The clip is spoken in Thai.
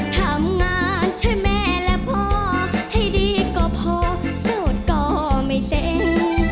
ทำงานช่วยแม่และพ่อให้ดีก็พอโสดก็ไม่เซ็น